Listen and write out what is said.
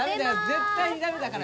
絶対にダメだからね。